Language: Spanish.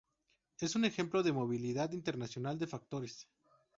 Es un ejemplo de movilidad internacional de factores.